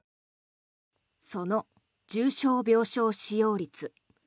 その重症病床使用率。